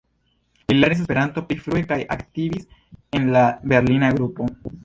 Li lernis Esperanton pli frue kaj aktivis en la berlina grupo.